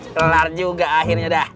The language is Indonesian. kelar juga akhirnya dah